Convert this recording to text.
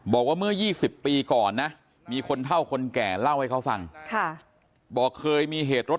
บอกว่าเมื่อ๒๐ปีก่อนนะมีคนเท่าคนแก่เล่าให้เขาฟังบอกเคยมีเหตุรถ